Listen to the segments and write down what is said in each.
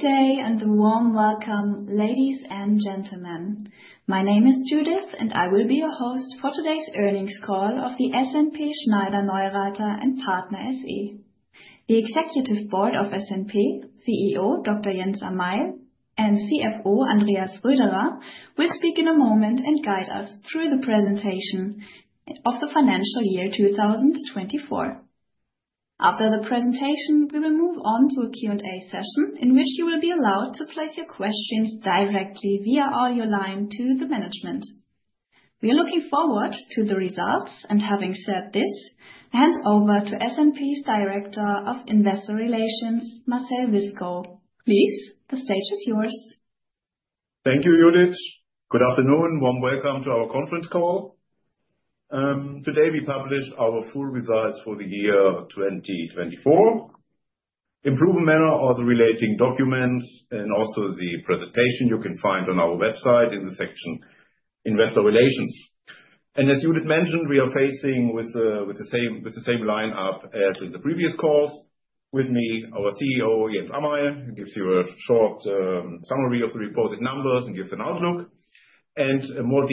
Good day and a warm welcome, ladies and gentlemen. My name is Judith, and I will be your host for today's Earnings Call of SNP Schneider-Neureither & Partner SE. The Executive Board of SNP, CEO Dr. Jens Amail, and CFO Andreas Röderer will speak in a moment and guide us through the presentation of the Financial Year 2024. After the presentation, we will move on to a Q&A session in which you will be allowed to place your questions directly via audio line to the management. We are looking forward to the results, and having said this, hand over to SNP's Director of Investor Relations, Marcel Wiskow. Please, the stage is yours. Thank you, Judith. Good afternoon. Warm welcome to our Conference Call. Today we publish our Full Results for the Year 2024, improvement manual or the relating documents, and also the presentation you can find on our website in the section Investor Relations. As Judith mentioned, we are facing with the same lineup as in the previous calls. With me, our CEO, Jens Amail, gives you a short summary of the reported numbers and gives an outlook. A more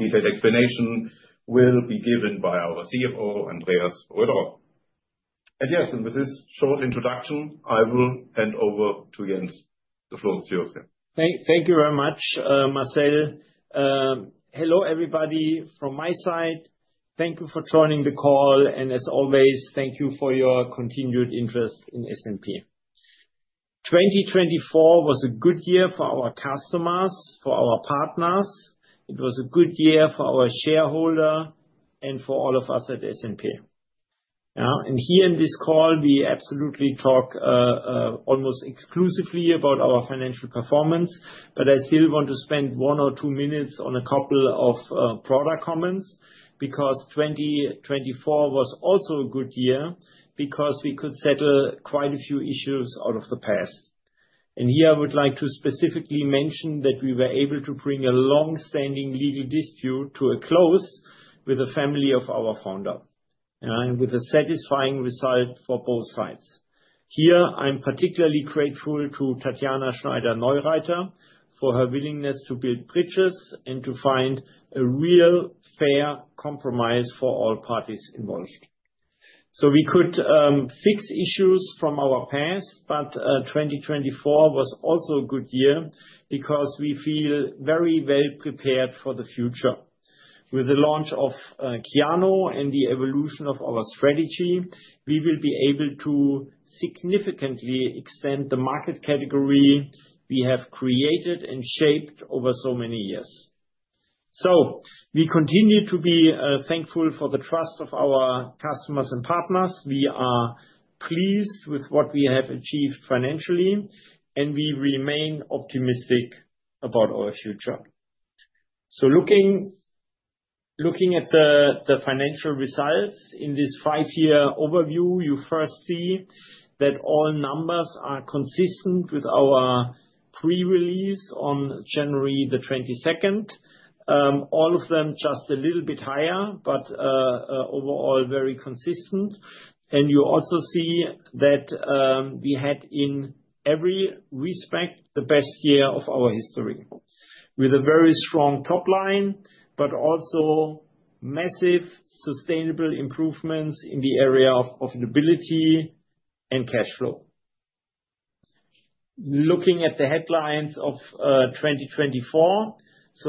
detailed explanation will be given by our CFO, Andreas Röderer. Yes, with this short introduction, I will hand over to Jens. The floor is yours. Thank you very much, Marcel. Hello everybody from my side. Thank you for joining the call, and as always, thank you for your continued interest in SNP. 2024 was a good year for our customers, for our partners. It was a good year for our shareholders and for all of us at SNP. Here in this call, we absolutely talk almost exclusively about our financial performance, but I still want to spend one or two minutes on a couple of product comments because 2024 was also a good year because we could settle quite a few issues out of the past. Here I would like to specifically mention that we were able to bring a long-standing legal dispute to a close with the family of our founder and with a satisfying result for both sides. Here I am particularly grateful to Tatjana Schneider-Neureither for her willingness to build bridges and to find a real fair compromise for all parties involved. We could fix issues from our past, but 2024 was also a good year because we feel very well prepared for the future. With the launch of Kyano and the evolution of our strategy, we will be able to significantly extend the market category we have created and shaped over many years. We continue to be thankful for the trust of our customers and partners. We are pleased with what we have achieved financially, and we remain optimistic about our future. Looking at the financial results in this five-year overview, you first see that all numbers are consistent with our pre-release on January 22. All of them are just a little bit higher, but overall very consistent. You also see that we had in every respect the best year of our history with a very strong top line, but also massive sustainable improvements in the area of profitability and cash flow. Looking at the headlines of 2024,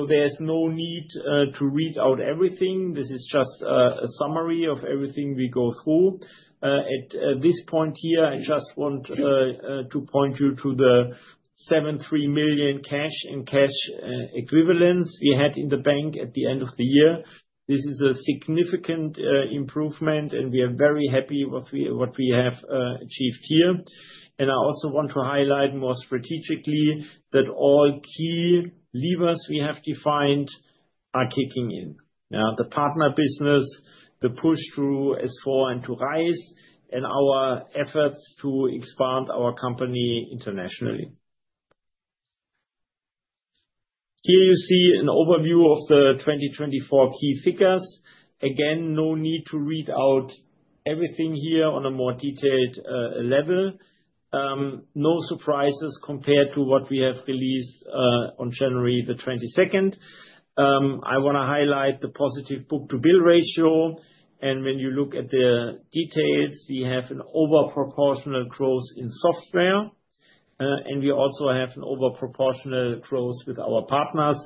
there is no need to read out everything. This is just a summary of everything we go through. At this point here, I just want to point you to the 73 million cash and cash equivalents we had in the bank at the end of the year. This is a significant improvement, and we are very happy with what we have achieved here. I also want to highlight more strategically that all key levers we have defined are kicking in. The partner business, the push through S/4 and to RISE, and our efforts to expand our company internationally. Here you see an overview of the 2024 key figures. Again, no need to read out everything here on a more detailed level. No surprises compared to what we have released on January 22. I want to highlight the positive book-to-bill ratio. When you look at the details, we have an overproportional growth in software, and we also have an overproportional growth with our partners,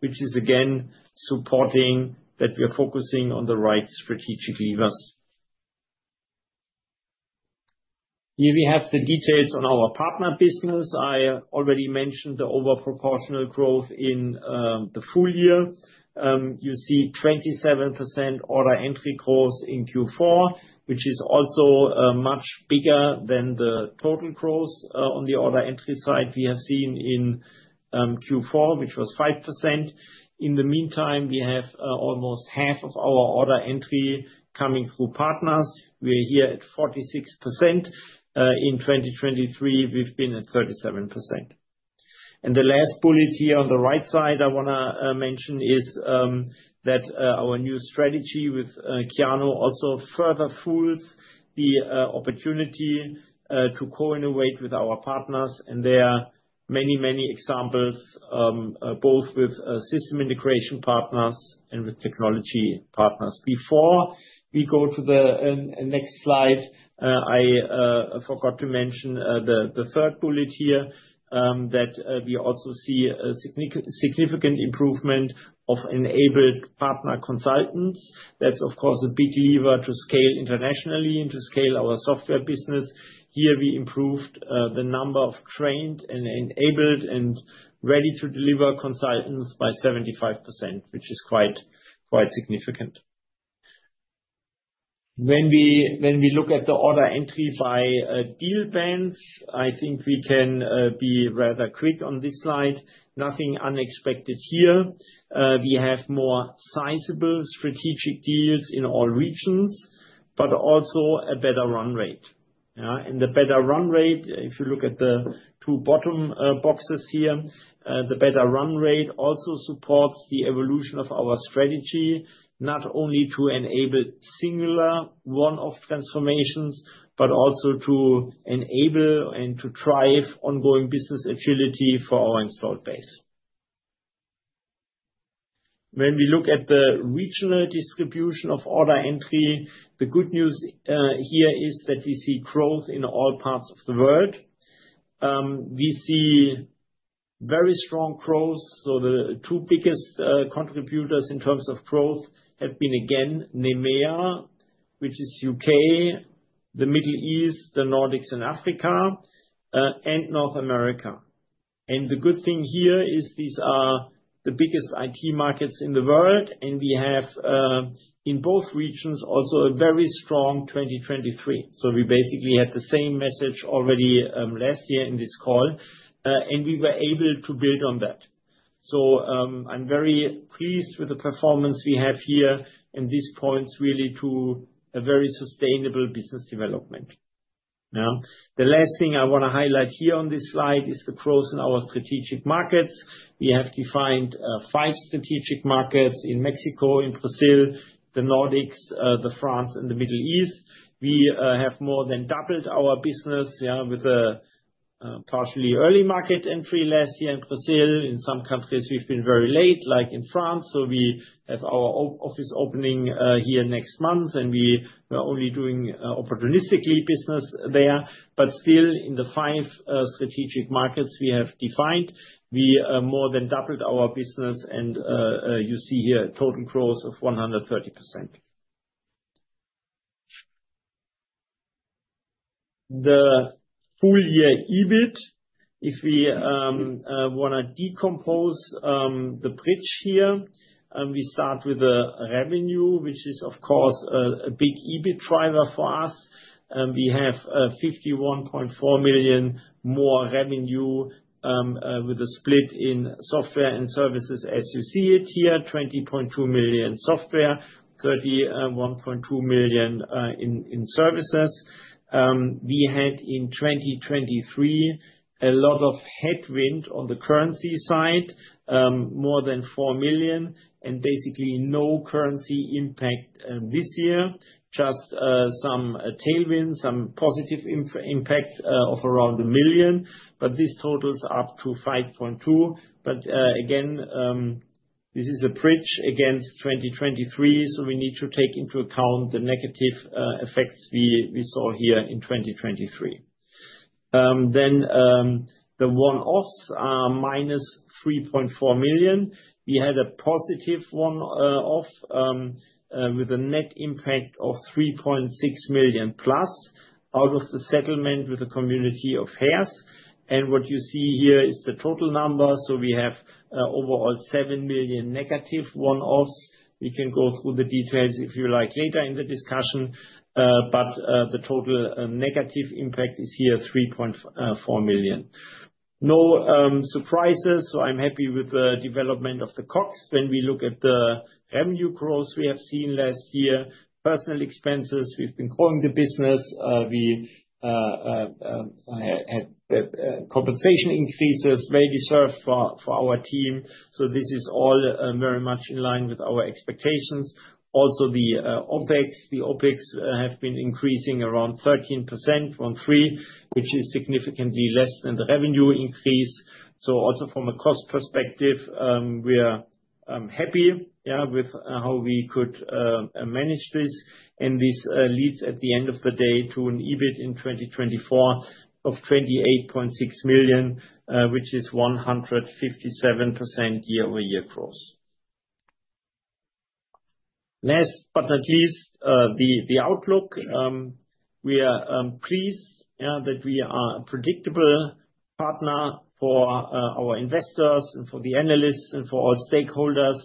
which is again supporting that we are focusing on the right strategic levers. Here we have the details on our partner business. I already mentioned the overproportional growth in the full year. You see 27% order entry growth in Q4, which is also much bigger than the total growth on the order entry side we have seen in Q4, which was 5%. In the meantime, we have almost half of our order entry coming through partners. We are here at 46%. In 2023, we have been at 37%. The last bullet here on the right side I want to mention is that our new strategy with Kyano also further fuels the opportunity to co-innovate with our partners. There are many examples, both with system integration partners and with technology partners. Before we go to the next slide, I forgot to mention the third bullet here, that we also see a significant improvement of enabled partner consultants. That's, of course, a big lever to scale internationally and to scale our software business. Here we improved the number of trained and enabled and ready-to-deliver consultants by 75%, which is quite significant. When we look at the order entry by deal bands, we can be rather quick on this slide. Nothing unexpected here. We have more sizable strategic deals in all regions, but also a better run rate. The better run rate, if you look at the two bottom boxes here, the better run rate also supports the evolution of our strategy, not only to enable singular one-off transformations, but also to enable and to drive ongoing business agility for our installed base. When we look at the regional distribution of order entry, the good news here is that we see growth in all parts of the world. We see very strong growth. The two biggest contributors in terms of growth have been again EMEA, which is U.K., the Middle East, the Nordics, and Africa, and North America. The good thing here is these are the biggest IT markets in the world, and we have in both regions also a very strong 2023. We basically had the same message already last year in this call, and we were able to build on that. I am very pleased with the performance we have here and this points really to a very sustainable business development. The last thing I want to highlight here on this slide is the growth in our strategic markets. We have defined five strategic markets in Mexico, in Brazil, the Nordics, France, and the Middle East. We have more than doubled our business with a partially early market entry last year in Brazil. In some countries, we have been very late, like in France. We have our office opening here next month, and we are only doing opportunistically business there. Still, in the five strategic markets we have defined, we more than doubled our business, and you see here a total growth of 130%. The full year EBIT, if we want to decompose the bridge here, we start with the revenue, which is, of course, a big EBIT driver for us. We have 51.4 million more revenue with a split in software and services, as you see it here, 20.2 million software, 31.2 million in services. We had in 2023 a lot of headwind on the currency side, more than 4 million, and basically no currency impact this year, just some tailwind, some positive impact of around 1 million. These totals are up to 5.2 million. This is a bridge against 2023, we need to take into account the negative effects we saw here in 2023. The one-offs are minus 3.4 million. We had a positive one-off with a net impact of 3.6 million plus out of the settlement with the community of heirs. What you see here is the total number. We have overall 7 million negative one-offs. We can go through the details if you like later in the discussion, but the total negative impact is 3.4 million. No surprises, I'm happy with the development of the COGS. When we look at the revenue growth we have seen last year, personal expenses, we've been growing the business. We had compensation increases well deserved for our team. This is all very much in line with our expectations. Also the OpEx, the OpEx have been increasing around 13% from three, which is significantly less than the revenue increase. Also from a cost perspective, we are happy with how we could manage this. This leads at the end of the day to an EBIT in 2024 of 28.6 million, which is 157% year-over-year growth. Last but not least, the outlook. We are pleased that we are a predictable partner for our investors and for the analysts and for all stakeholders.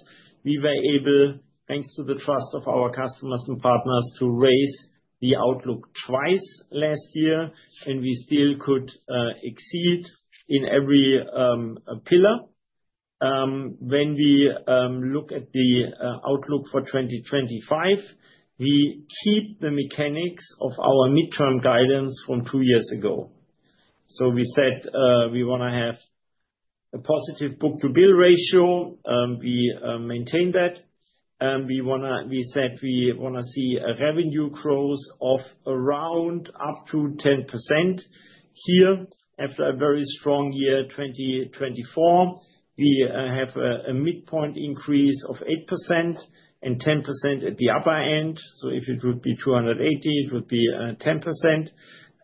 We were able, thanks to the trust of our customers and partners, to raise the outlook twice last year, and we still could exceed in every pillar. When we look at the outlook for 2025, we keep the mechanics of our midterm guidance from two years ago. We said we want to have a positive book-to-bill ratio. We maintain that. We said we want to see a revenue growth of around up to 10% here. After a very strong year 2024, we have a midpoint increase of 8% and 10% at the upper end. If it would be 280 million, it would be 10%.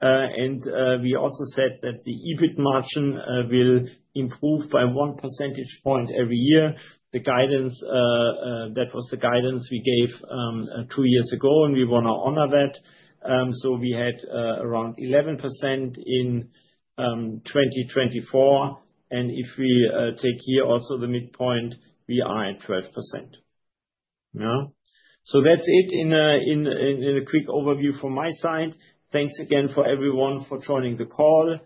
We also said that the EBIT margin will improve by one percentage point every year. That was the guidance we gave two years ago, and we want to honor that. We had around 11% in 2024. If we take here also the midpoint, we are at 12%. That is it in a quick overview from my side. Thanks again for everyone for joining the call.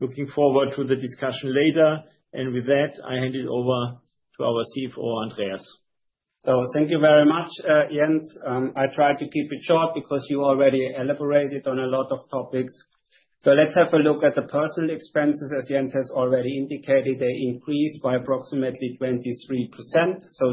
Looking forward to the discussion later. With that, I hand it over to our CFO, Andreas. Thank you very much, Jens. I tried to keep it short because you already elaborated on a lot of topics. Let's have a look at the personal expenses. As Jens has already indicated, they increased by approximately 23%.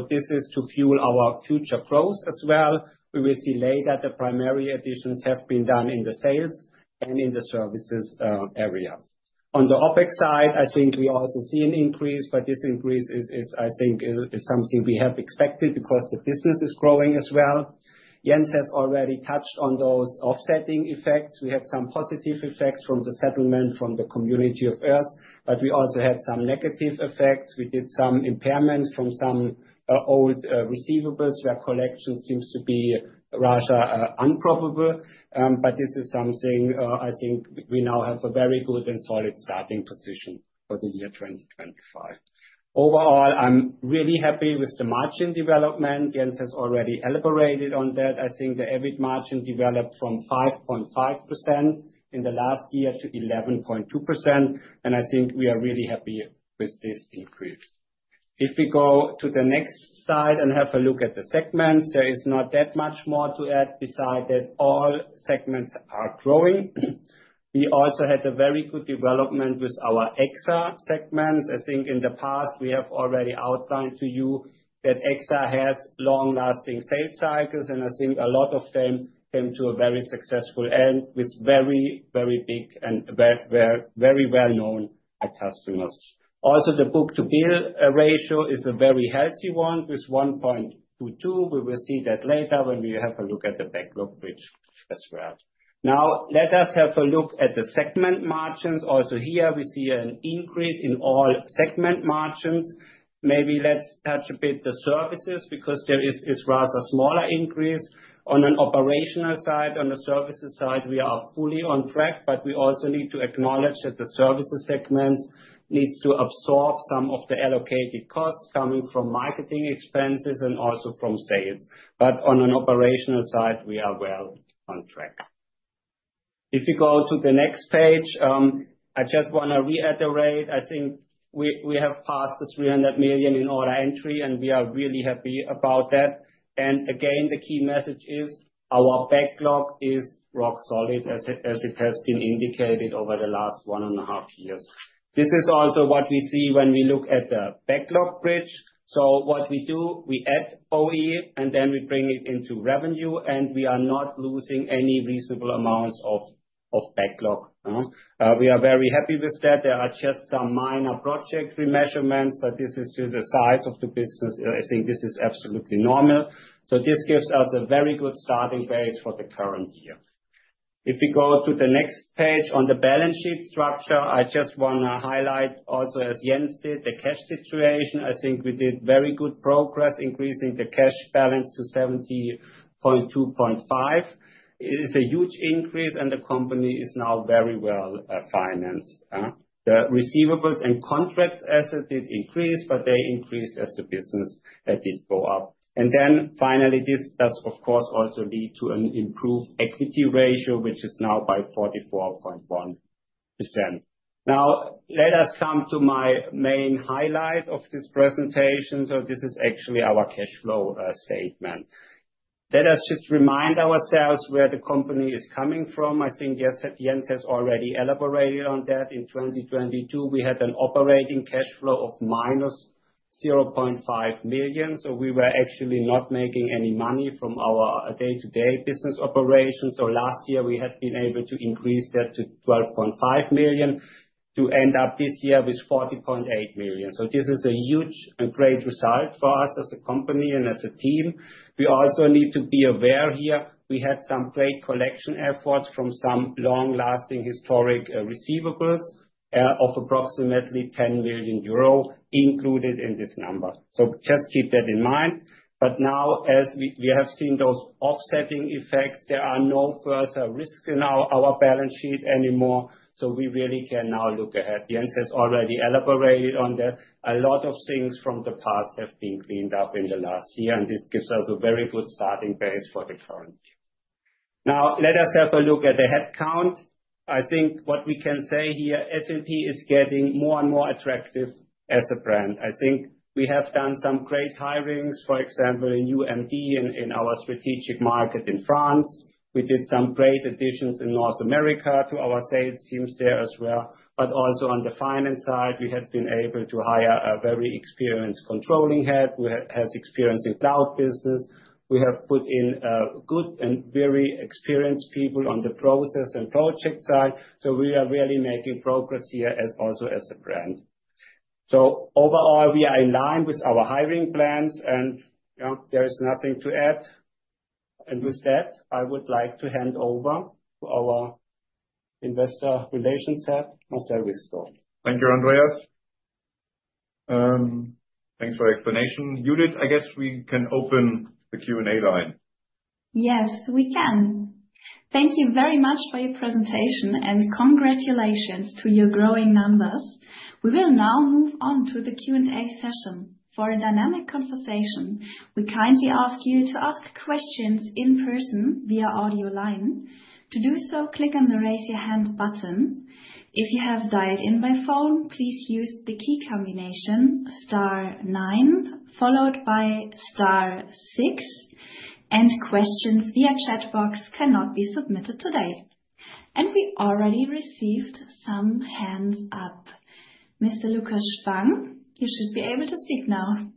This is to fuel our future growth as well. We will see later the primary additions have been done in the sales and in the services areas. On the OpEx side, we also see an increase, but this increase is something we have expected because the business is growing as well. Jens has already touched on those offsetting effects. We had some positive effects from the settlement from the community of heirs, but we also had some negative effects. We did some impairment from some old receivables where collection seems to be rather unprobable. This is something we now have a very good and solid starting position for the year 2025. Overall, I'm really happy with the margin development. Jens has already elaborated on that. The EBIT margin developed from 5.5% in the last year to 11.2%. We are really happy with this increase. If we go to the next slide and have a look at the segments, there is not that much more to add beside that all segments are growing. We also had a very good development with our EXA segments. In the past we have already outlined to you that EXA has long-lasting sales cycles, and a lot of them came to a very successful end with very, very big and very well-known customers. Also, the book-to-bill ratio is a very healthy one with 1.22. We will see that later when we have a look at the backlog bridge as well. Now, let us have a look at the segment margins. Also here, we see an increase in all segment margins. Maybe let's touch a bit the services because there is a rather smaller increase on an operational side. On the services side, we are fully on track, but we also need to acknowledge that the services segments need to absorb some of the allocated costs coming from marketing expenses and also from sales. On an operational side, we are well on track. If we go to the next page, I just want to reiterate. We have passed the 300 million in order entry, and we are really happy about that. The key message is our backlog is rock solid as it has been indicated over the last one and a half years. This is also what we see when we look at the backlog bridge. What we do, we add OE, and then we bring it into revenue, and we are not losing any reasonable amounts of backlog. We are very happy with that. There are just some minor project remeasurements, but this is to the size of the business. This is absolutely normal. This gives us a very good starting base for the current year. If we go to the next page on the balance sheet structure, I just want to highlight also, as Jens did, the cash situation. We did very good progress increasing the cash balance to 70.25. It is a huge increase, and the company is now very well financed. The receivables and contract assets did increase, but they increased as the business did go up. Finally, this does, of course, also lead to an improved equity ratio, which is now at 44.1%. Now, let us come to my main highlight of this presentation. This is actually our cash flow statement. Let us just remind ourselves where the company is coming from. Jens has already elaborated on that. In 2022, we had an operating cash flow of minus 0.5 million. We were actually not making any money from our day-to-day business operations. Last year, we had been able to increase that to 12.5 million to end up this year with 40.8 million. This is a huge and great result for us as a company and as a team. We also need to be aware here we had some great collection efforts from some long-lasting historic receivables of approximately 10 million euro included in this number. Just keep that in mind. Now, as we have seen those offsetting effects, there are no further risks in our balance sheet anymore. We really can now look ahead. Jens has already elaborated on that. A lot of things from the past have been cleaned up in the last year, and this gives us a very good starting base for the current year. Now, let us have a look at the headcount. what we can say here, SNP is getting more and more attractive as a brand. We have done some great hirings, for example, in a new MD in our strategic market in France. We did some great additions in North America to our sales teams there as well. Also on the finance side, we have been able to hire a very experienced controlling head who has experience in cloud business. We have put in good and very experienced people on the process and project side. We are really making progress here as also as a brand. Overall, we are in line with our hiring plans, and there is nothing to add. With that, I would like to hand over to our Investor Relations Head, Marcel Wiskow. Thank you, Andreas. Thanks for the explanation. Judith, I guess we can open the Q&A line. Yes, we can. Thank you very much for your presentation, and congratulations to your growing numbers. We will now move on to the Q&A session. For a dynamic conversation, we kindly ask you to ask questions in person via audio line. To do so, click on the raise your hand button. If you have dialed in by phone, please use the key combination star nine followed by star six, and questions via chat box cannot be submitted today. We already received some hands up. Mr. Lukas Spang, you should be able to speak now.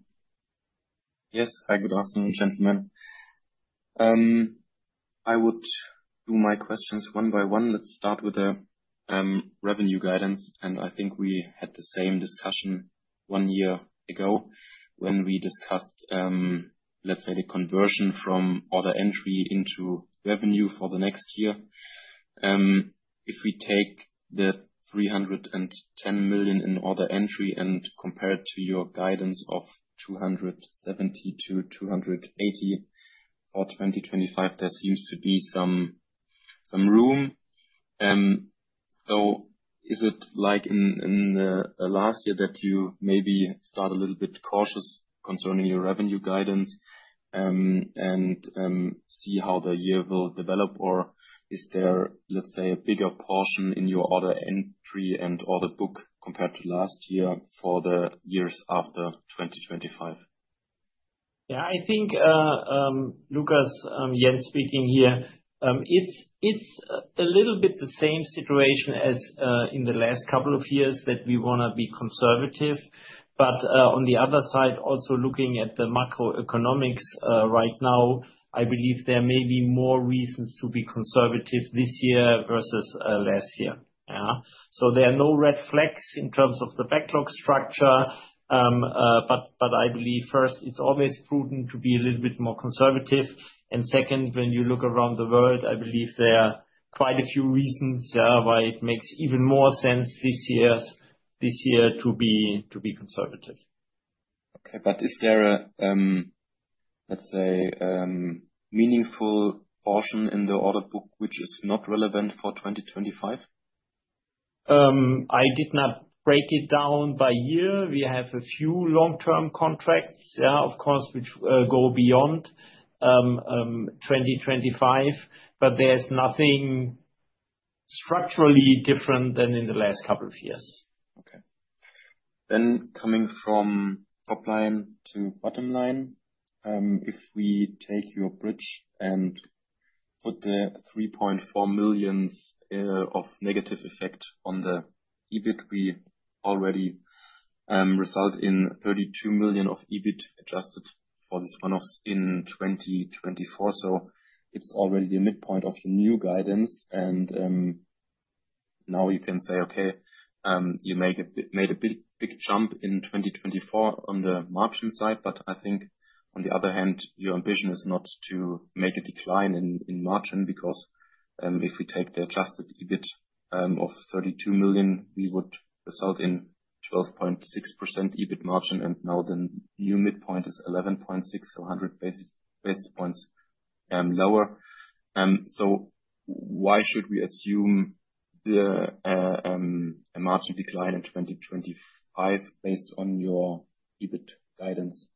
Yes, hi, good afternoon, gentlemen. I would do my questions one by one. Let's start with the revenue guidance, and we had the same discussion one year ago when we discussed, let's say, the conversion from order entry into revenue for the next year. If we take the 310 million in order entry and compare it to your guidance of 270-280 million for 2025, there seems to be some room. Is it like in the last year that you maybe start a little bit cautious concerning your revenue guidance and see how the year will develop, or is there, let's say, a bigger portion in your order entry and order book compared to last year for the years after 2025? Yeah. Lukas, Jens speaking here, it's a little bit the same situation as in the last couple of years that we want to be conservative. Also, looking at the macroeconomics right now, I believe there may be more reasons to be conservative this year versus last year. There are no red flags in terms of the backlog structure. I believe first, it's always prudent to be a little bit more conservative. Second, when you look around the world, I believe there are quite a few reasons why it makes even more sense this year to be conservative. Okay, but is there a, let's say, meaningful portion in the order book which is not relevant for 2025? I did not break it down by year. We have a few long-term contracts, of course, which go beyond 2025, but there's nothing structurally different than in the last couple of years. Okay. Coming from top line to bottom line, if we take your bridge and put the 3.4 million of negative effect on the EBIT, we already result in 32 million of EBIT adjusted for this one-off in 2024. It is already the midpoint of your new guidance. You made a big jump in 2024 on the margin side. On the other hand, your ambition is not to make a decline in margin because if we take the adjusted EBIT of 32 million, we would result in 12.6% EBIT margin. Now the new midpoint is 11.6%, 100 basis points lower. Why should we assume a margin decline in 2025 based on your EBIT guidance?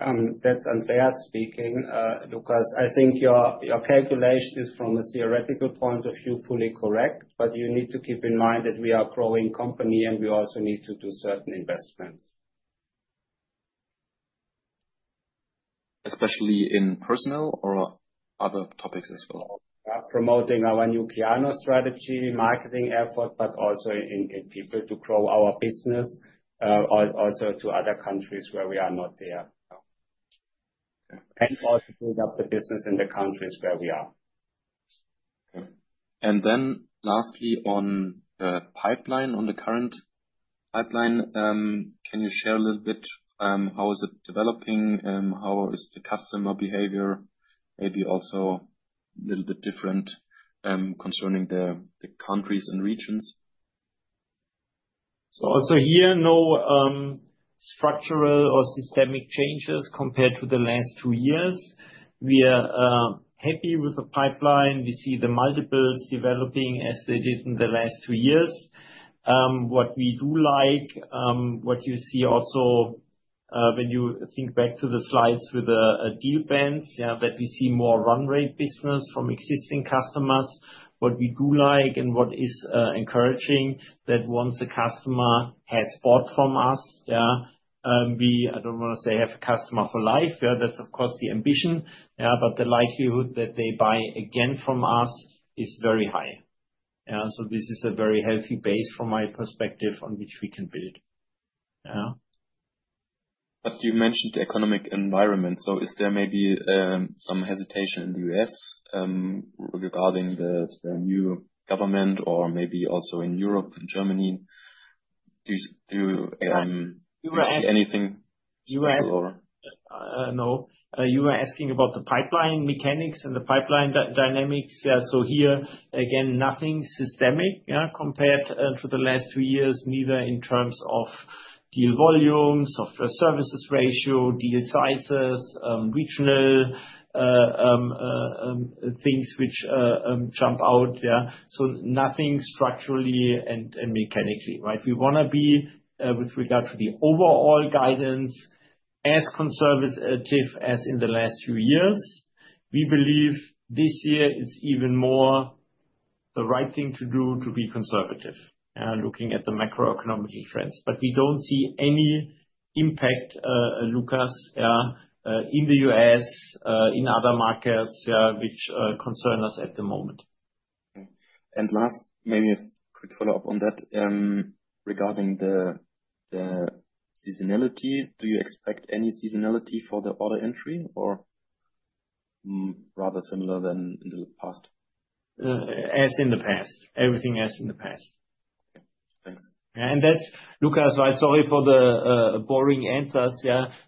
It's Andreas speaking. Lukas, I think your calculation is from a theoretical point of view fully correct, but you need to keep in mind that we are a growing company and we also need to do certain investments. Especially in personal or other topics as well? Promoting our new Kyano strategy, marketing effort, but also in people to grow our business also to other countries where we are not there. Also build up the business in the countries where we are. Okay. Lastly, on the pipeline, on the current pipeline, can you share a little bit how is it developing? How is the customer behavior maybe also a little bit different concerning the countries and regions? Also here, no structural or systemic changes compared to the last two years. We are happy with the pipeline. We see the multiples developing as they did in the last two years. What we do like, what you see also when you think back to the slides with the deal bends, is that we see more run rate business from existing customers. What we do like and what is encouraging is that once a customer has bought from us, I do not want to say have a customer for life. That is of course the ambition, but the likelihood that they buy again from us is very high. This is a very healthy base from my perspective on which we can build. You mentioned the economic environment. Is there maybe some hesitation in the U.S. regarding the new government or maybe also in Europe, in Germany? Do you see anything? You were asking about the pipeline mechanics and the pipeline dynamics. Here, again, nothing systemic compared to the last two years, neither in terms of deal volumes, software services ratio, deal sizes, regional things which jump out. Nothing structurally and mechanically. We want to be with regard to the overall guidance as conservative as in the last few years. We believe this year it's even more the right thing to do to be conservative looking at the macroeconomic trends. We don't see any impact, Lukas, in the US, in other markets which concern us at the moment. Okay. Last, maybe a quick follow-up on that regarding the seasonality. Do you expect any seasonality for the order entry or rather similar than in the past? As in the past. Everything as in the past. Okay. Thanks. Yeah. Lukas, I'm sorry for the boring answers,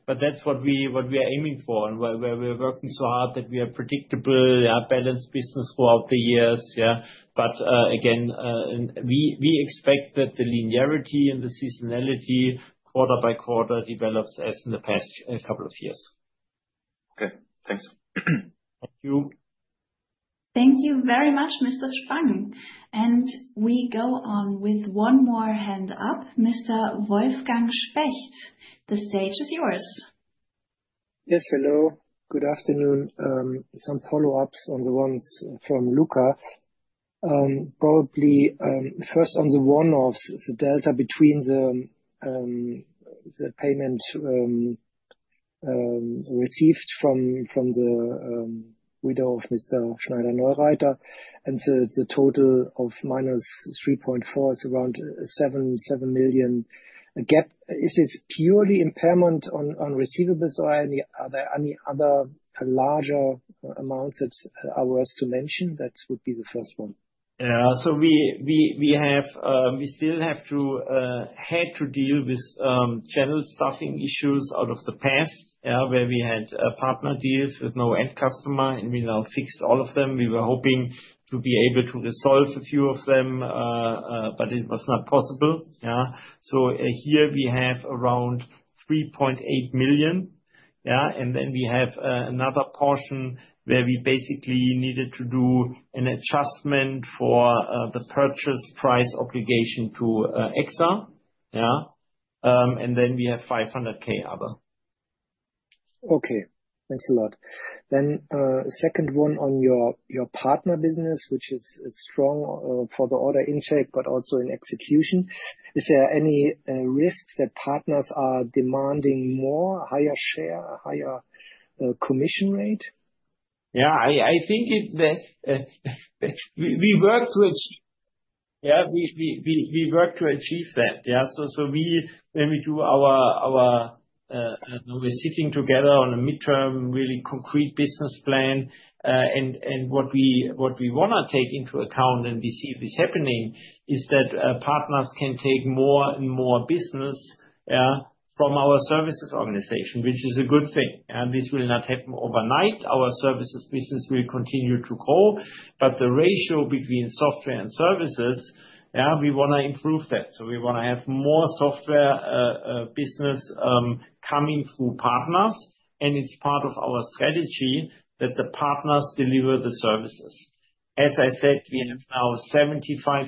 but that's what we are aiming for and where we're working so hard that we are predictable, balanced business throughout the years. Again, we expect that the linearity and the seasonality quarter by quarter develops as in the past couple of years. Okay. Thanks. Thank you. Thank you very much, Mr. Spang. We go on with one more hand up, Mr. Wolfgang Specht. The stage is yours. Yes. Hello. Good afternoon. Some follow-ups on the ones from Lukas. Probably first on the one-offs, the delta between the payment received from the widow of Mr. Schneider-Neureither and the total of minus 3.4 million is around 7 million. Is this purely impairment on receivables or are there any other larger amounts that are worth to mention? That would be the first one. Yeah. We still have had to deal with general staffing issues out of the past where we had partner deals with no end customer, and we now fixed all of them. We were hoping to be able to resolve a few of them, but it was not possible. Here we have around 3.8 million. Then we have another portion where we basically needed to do an adjustment for the purchase price obligation to EXA. Then we have 500,000 other. Okay. Thanks a lot. Then second one on your partner business, which is strong for the order intake, but also in execution. Is there any risk that partners are demanding more, higher share, higher commission rate? Yeah. We work to achieve. Yeah. We work to achieve that. When we do our sitting together on a midterm, really concrete business plan and what we want to take into account and we see this happening is that partners can take more and more business from our services organization, which is a good thing. This will not happen overnight. Our services business will continue to grow, but the ratio between software and services, we want to improve that. We want to have more software business coming through partners, and it is part of our strategy that the partners deliver the services. As I said, we have now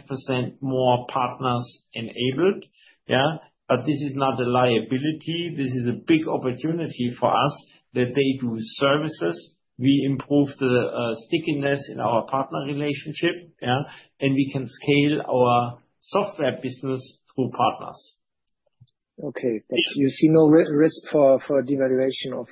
75% more partners enabled. This is not a liability. This is a big opportunity for us that they do services. We improve the stickiness in our partner relationship, and we can scale our software business through partners. Okay. You see no risk for devaluation of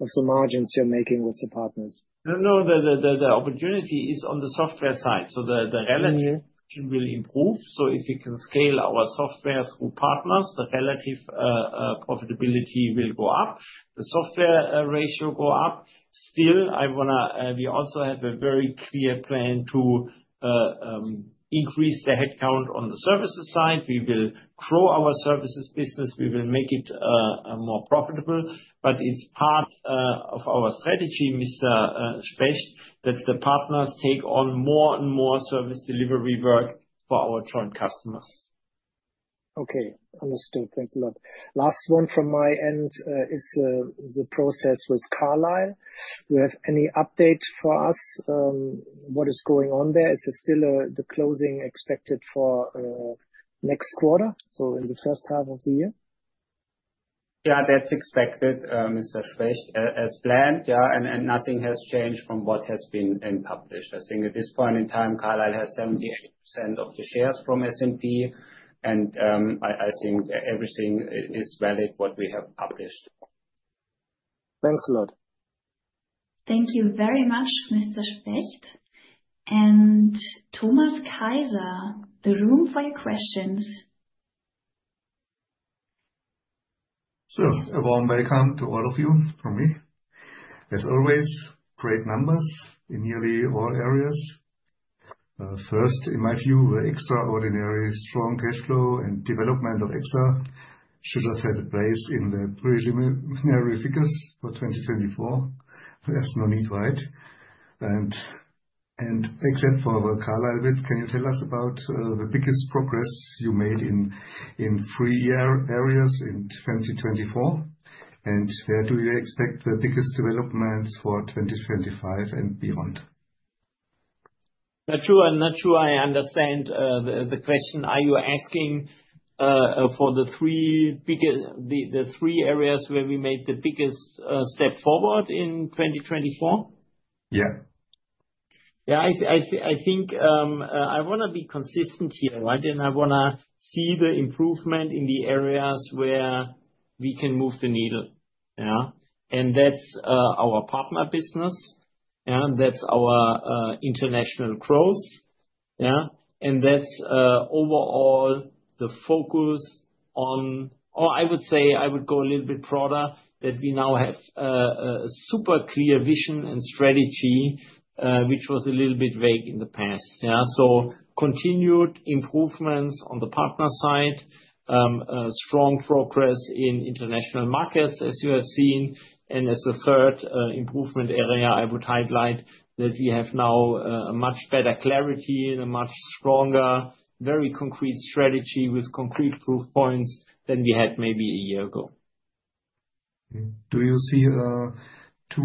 the margins you're making with the partners? No, the opportunity is on the software side. The relative will improve. If we can scale our software through partners, the relative profitability will go up. The software ratio will go up. Still, we also have a very clear plan to increase the headcount on the services side. We will grow our services business. We will make it more profitable. It is part of our strategy, Mr. Specht, that the partners take on more and more service delivery work for our joint customers. Okay. Understood. Thanks a lot. Last one from my end is the process with Carlyle. Do you have any update for us? What is going on there? Is it still the closing expected for next quarter in the first half of the year? Yeah, that's expected, Mr. Specht, as planned, and nothing has changed from what has been published. At this point in time, Carlyle has 78% of the shares from SNP, and everything is valid what we have published. Thanks a lot. Thank you very much, Mr. Specht. Thomas Kaiser, the room for your questions. Sure. A warm welcome to all of you from me. As always, great numbers in nearly all areas. First, in my view, the extraordinary strong cash flow and development of EXA should have had a place in the preliminary figures for 2024. There is no need, right? Except for Carlyle a bit, can you tell us about the biggest progress you made in three areas in 2024? Where do you expect the biggest developments for 2025 and beyond? Not sure. I'm not sure I understand the question. Are you asking for the three areas where we made the biggest step forward in 2024? Yeah. Yeah. I want to be consistent here, right? I want to see the improvement in the areas where we can move the needle. That is our partner business. That is our international growth. That is overall the focus on, or I would say I would go a little bit broader, that we now have a super clear vision and strategy, which was a little bit vague in the past. Continued improvements on the partner side, strong progress in international markets, as you have seen. As a third improvement area, I would highlight that we have now a much better clarity and a much stronger, very concrete strategy with concrete proof points than we had maybe a year ago. Do you see two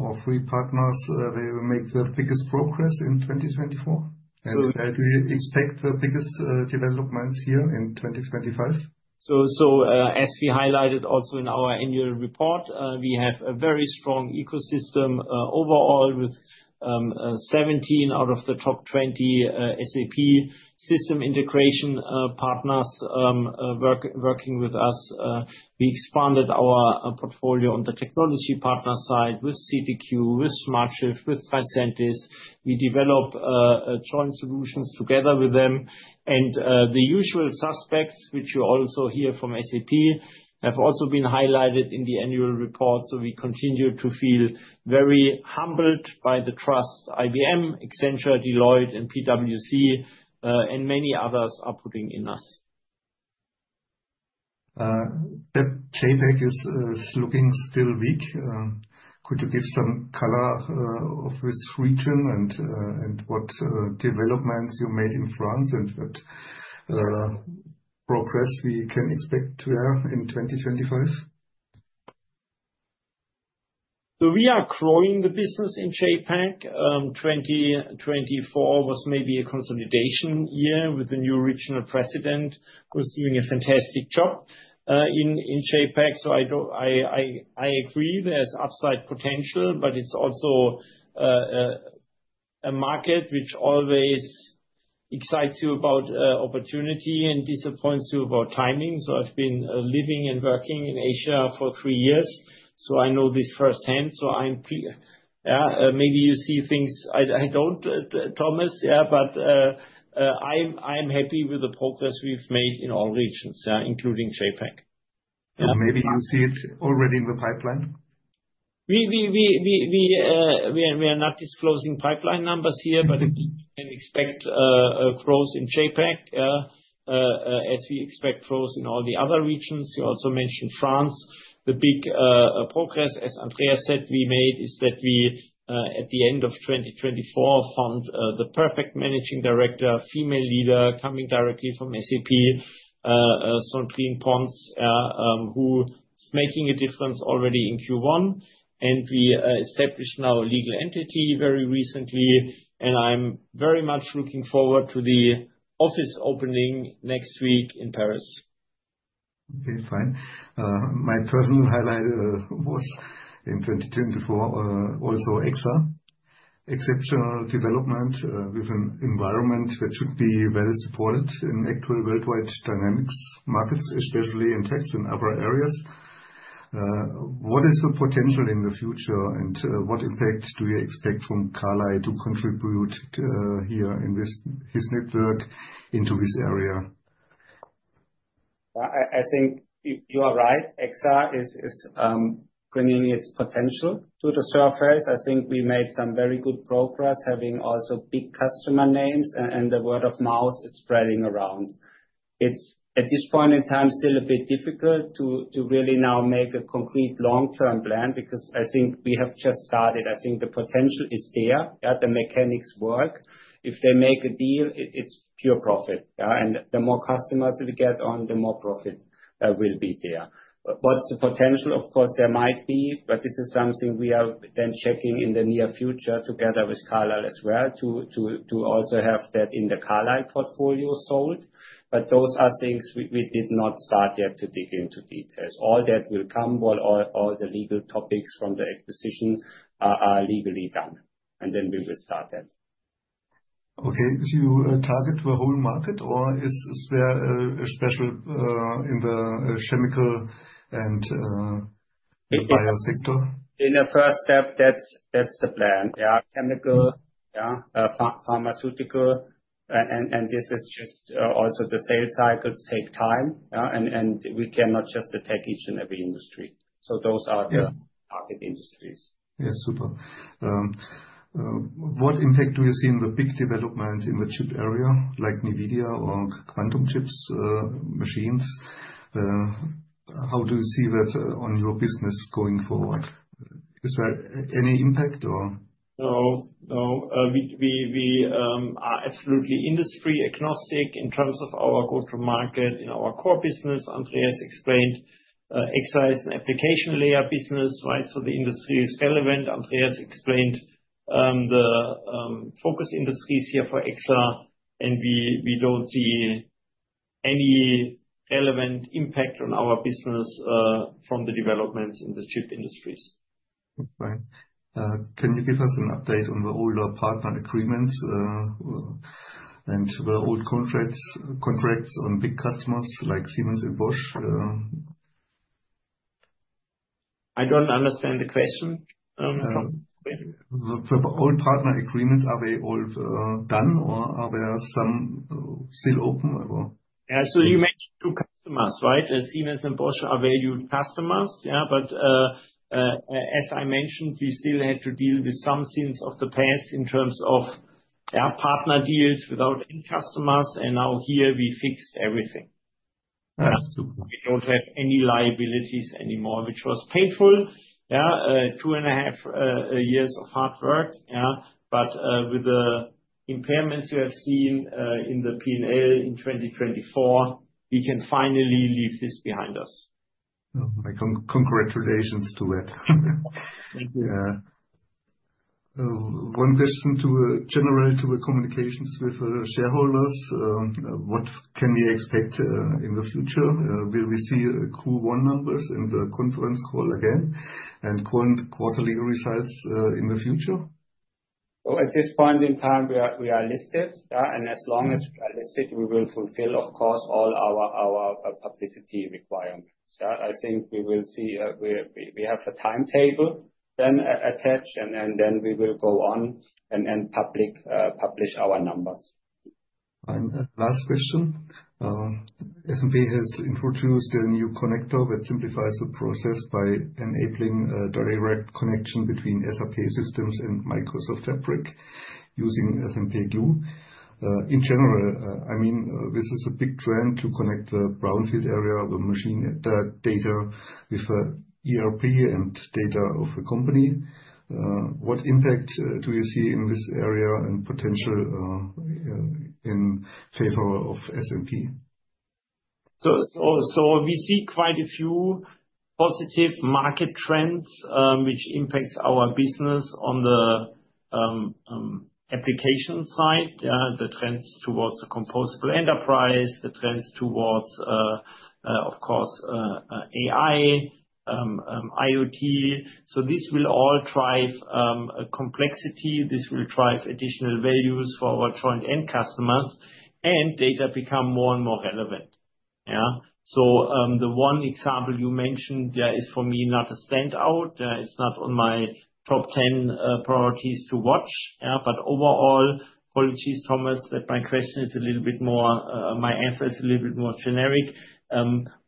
or three partners that will make the biggest progress in 2024? Do you expect the biggest developments here in 2025? As we highlighted also in our annual report, we have a very strong ecosystem overall with 17 out of the top 20 SAP system integration partners working with us. We expanded our portfolio on the technology partner side with CDQ, with smartShift, with Tricentis. We develop joint solutions together with them. The usual suspects, which you also hear from SAP, have also been highlighted in the annual report. We continue to feel very humbled by the trust IBM, Accenture, Deloitte, and PwC, and many others are putting in us. The JAPAC is looking still weak. Could you give some color of this region and what developments you made in France and what progress we can expect there in 2025? We are growing the business in Japan. 2024 was maybe a consolidation year with the new regional president who's doing a fantastic job in Japan. I agree there's upside potential, but it's also a market which always excites you about opportunity and disappoints you about timing. I've been living and working in Asia for three years, I know this firsthand. Maybe you see things I don't, Thomas, but I'm happy with the progress we've made in all regions, including Japan. Yeah. Maybe you see it already in the pipeline. We are not disclosing pipeline numbers here, but we can expect growth in JAPAC as we expect growth in all the other regions. You also mentioned France. The big progress, as Andreas said, we made is that we at the end of 2024 found the perfect Managing Director, female leader coming directly from SAP, Sandrine Pons, who is making a difference already in Q1. We established now a legal entity very recently, and I am very much looking forward to the office opening next week in Paris. Okay. Fine. My personal highlight was in 2024 also EXA. Exceptional development with an environment that should be well supported in actual worldwide dynamics, markets, especially in techs and other areas. What is the potential in the future, and what impact do you expect from Carlyle to contribute here in his network into this area? You are right. EXA is bringing its potential to the surface. We made some very good progress having also big customer names, and the word of mouth is spreading around. It's at this point in time still a bit difficult to really now make a concrete long-term plan because we have just started. The potential is there. The mechanics work. If they make a deal, it's pure profit. The more customers we get on, the more profit will be there. What's the potential? Of course, there might be, but this is something we are then checking in the near future together with Carlyle as well to also have that in the Carlyle portfolio sold. Those are things we did not start yet to dig into details. All that will come while all the legal topics from the acquisition are legally done, and then we will start that. Okay. Do you target the whole market, or is there a special in the chemical and bio sector? In the first step, that's the plan. Chemical, pharmaceutical, and this is just also the sales cycles take time, and we cannot just attack each and every industry. Those are the target industries. Yeah. Super. What impact do you see in the big developments in the chip area like Nvidia or quantum chips, machines? How do you see that on your business going forward? Is there any impact or? No. No. We are absolutely industry agnostic in terms of our go-to-market in our core business. Andreas has explained EXA is an application layer business, right? The industry is relevant. Andreas has explained the focus industries here for EXA, and we do not see any relevant impact on our business from the developments in the chip industries. Fine. Can you give us an update on the older partner agreements and the old contracts on big customers like Siemens and Bosch? I don't understand the question. The old partner agreements, are they all done or are there some still open or? Yeah. You mentioned two customers, right? Siemens and Bosch are valued customers. As I mentioned, we still had to deal with some scenes of the past in terms of partner deals without customers. Now here we fixed everything. That's super. We do not have any liabilities anymore, which was painful. Two and a half years of hard work. With the impairments you have seen in the P&L in 2024, we can finally leave this behind us. Congratulations to that. Thank you. One question generally to the communications with shareholders. What can we expect in the future? Will we see Q1 numbers in the conference call again and quarterly results in the future? At this point in time, we are listed. As long as we are listed, we will fulfill, of course, all our publicity requirements. We will see we have a timetable then attached, and then we will go on and publicly publish our numbers. Fine. Last question. SNP has introduced a new connector that simplifies the process by enabling direct connection between SAP systems and Microsoft Fabric using SNP Glue. In general this is a big trend to connect the brownfield area of machine data with ERP and data of a company. What impact do you see in this area and potential in favor of SNP? We see quite a few positive market trends which impact our business on the application side. The trends towards the composable enterprise, the trends towards, of course, AI, IoT. This will all drive complexity. This will drive additional values for our joint end customers, and data become more and more relevant. The one example you mentioned is for me not a standout. It's not on my top 10 priorities to watch. Overall, apologies, Thomas, that my answer is a little bit more generic.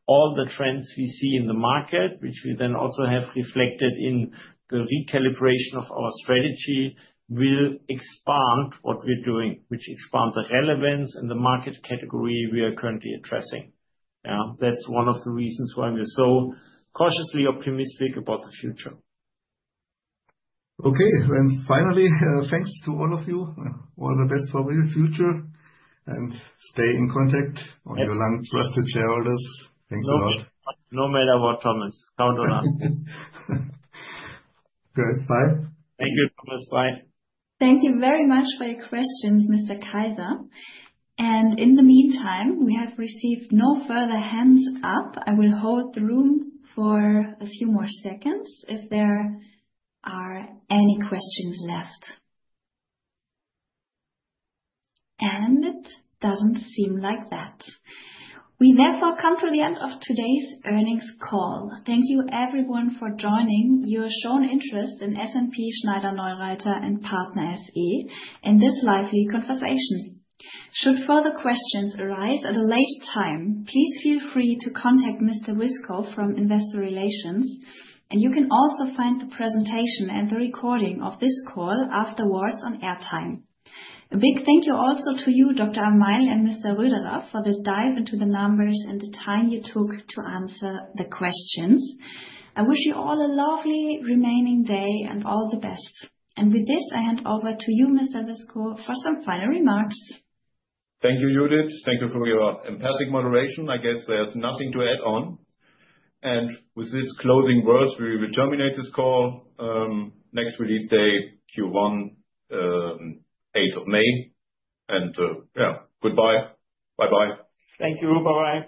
All the trends we see in the market, which we then also have reflected in the recalibration of our strategy, will expand what we're doing, which expands the relevance and the market category we are currently addressing. That's one of the reasons why we're cautiously optimistic about the future. Okay. Finally, thanks to all of you. All the best for the future. Stay in contact on your long trusted shareholders. Thanks a lot. No matter what, Thomas. Count on us. Good. Bye. Thank you, Thomas. Bye. Thank you very much for your questions, Mr. Kaiser. In the meantime, we have received no further hands up. I will hold the room for a few more seconds if there are any questions left. It does not seem like that. We therefore come to the end of today's earnings call. Thank you, everyone, for joining your shown interest in SNP Schneider-Neureither & Partner SE in this lively conversation. Should further questions arise at a later time, please feel free to contact Mr. Wiskow from Investor Relations. You can also find the presentation and the recording of this call afterwards on our website. A big thank you also to you, Dr. Amail and Mr. Röderer, for the dive into the numbers and the time you took to answer the questions. I wish you all a lovely remaining day and all the best. With this, I hand over to you, Mr. Wiskow, for some final remarks. Thank you, Judith. Thank you for your empathic moderation. I guess there is nothing to add on. With these closing words, we will terminate this call. Next release day, Q1, 8th of May. Goodbye. Bye-bye. Thank you. Bye-bye.